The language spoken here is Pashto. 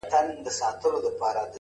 صبر د بریا اوږده پټه لاره ده.!